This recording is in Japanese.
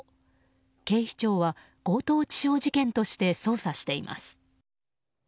警視庁は強盗致傷事件として捜査しています。